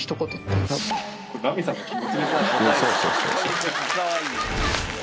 そうそうそうそう。